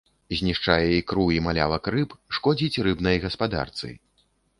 Знішчае ікру і малявак рыб, шкодзіць рыбнай гаспадарцы.